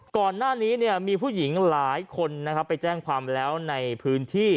ก่อนหน้านี้มีผู้หญิงหลายคนไปแจ้งความแล้วในพื้นที่